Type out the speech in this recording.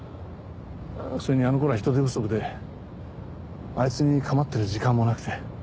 それにあの頃は人手不足であいつに構ってる時間もなくて。